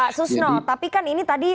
pak susno tapi kan ini tadi